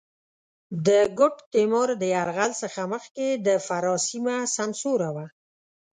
د ګوډ تېمور د یرغل څخه مخکې د فراه سېمه سمسوره وه.